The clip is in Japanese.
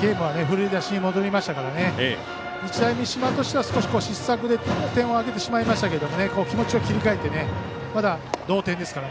ゲームは振り出しに戻りましたから日大三島としては、少し失策で点をあげてしまいましたけど気持ちを切り替えてまだ同点ですから。